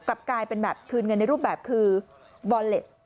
กลับกลายเป็นแบบคืนเงินในรูปแบบคือวอลเล็ต